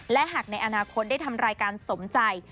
และหากในอนาคตได้ทำรายการสมใจ